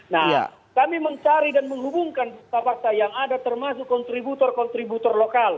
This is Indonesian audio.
nah kami mencari dan menghubungkan fakta fakta yang ada termasuk kontributor kontributor lokal